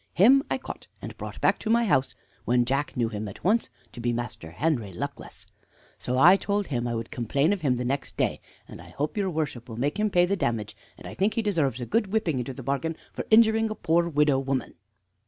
Him I caught and brought back to my house, when Jack knew him at once to be Master Henry Luckless. So I told him I would complain of him the next day, and I hope your worship will make him pay the damage, and I think he deserves a good whipping into the bargain for injuring a poor widow woman."